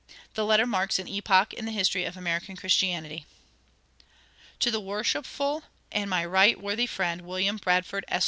The letter marks an epoch in the history of American Christianity: "_To the worshipful and my right worthy friend, William Bradford, Esq.